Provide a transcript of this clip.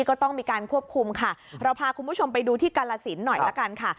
ก็ต้องมีการควบคุมค่ะเราพาคุณผู้ชมไปดูที่กาลสินหน่อยละกันค่ะ